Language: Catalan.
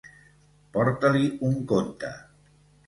Porta-li un conte.